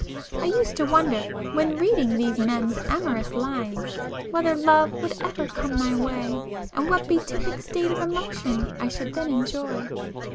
I used to wonder, when reading these men's amorous lines, whether love would ever come my way, and what beatific state of emotion I should then enjoy.